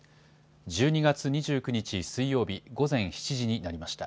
１２月２９日水曜日、午前７時になりました。